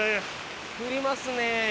降りますね。